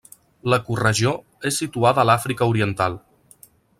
L'ecoregió és situada a l'Àfrica oriental.